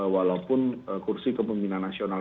walaupun kursi kepemimpinan nasional